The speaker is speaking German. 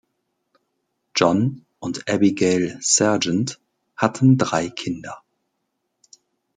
John und Abigail Sergeant hatten drei Kinder.